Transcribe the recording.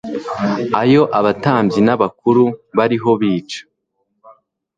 ayo abatambyi n'abakuru bariho bica,